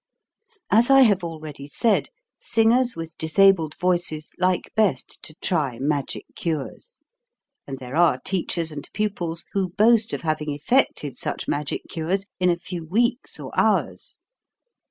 As I have already said, singers with dis abled voices like best to try "magic cures"; and there are teachers and pupils who boast of having effected such magic cures in a few weeks or hours.